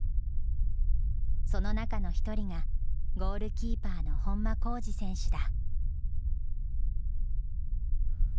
その中の１人が、ゴールキーパーの本間幸司選手だ。